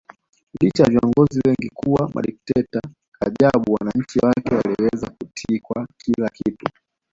Licha ya viongozi wengi kuwa madikteta ajabu wananchi wake waliweza kutii kwa kila kitu